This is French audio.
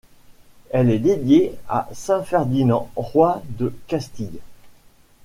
Elle est dédiée à saint Ferdinand, roi de Castille.